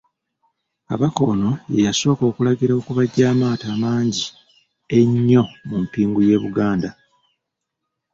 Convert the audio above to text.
Kabaka ono ye yasooka okulagira okubajja amaato amangi ennyo mu mpingu y'e Buganda.